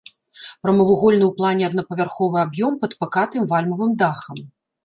Прамавугольны ў плане аднапавярховы аб'ём пад пакатым вальмавым дахам.